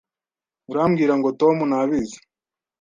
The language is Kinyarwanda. Urambwira ngo Tom ntabizi?